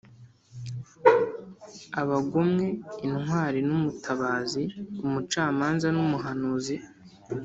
abagomwe intwari n’umutabazi, umucamanza n’umuhanuzi,